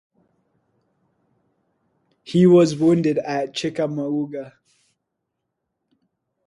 He was wounded at Chickamauga.